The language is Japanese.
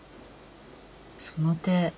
その手。